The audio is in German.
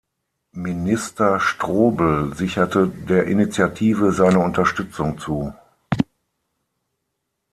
Minister Strobel sicherte der Initiative seine Unterstützung zu.